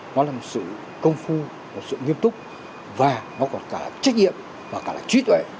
nó là một sự công phu một sự nghiêm túc và nó còn cả là trách nhiệm và cả là trí tuệ